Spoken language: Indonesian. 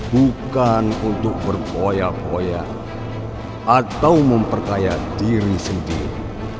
bukan untuk berboya boya atau memperkaya diri sendiri